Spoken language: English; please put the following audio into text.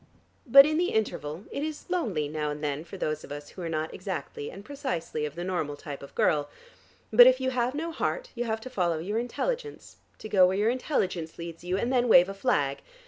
But in the interval, it is lonely now and then for those of us who are not exactly and precisely of the normal type of girl. But if you have no heart, you have to follow your intelligence, to go where your intelligence leads you, and then wave a flag.